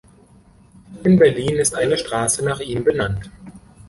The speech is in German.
In Berlin ist eine Straße nach ihm benannt.